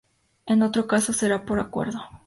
En otro caso será por acuerdo.